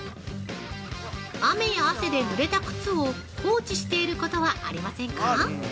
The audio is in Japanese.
◆雨や汗でぬれた靴を放置していることはありませんか。